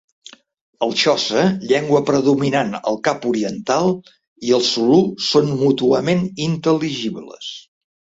El xosa, llengua predominant al Cap Oriental, i el zulu són mútuament intel·ligibles.